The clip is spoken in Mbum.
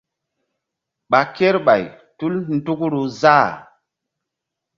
Ɓa kerɓay tul ndukru záh.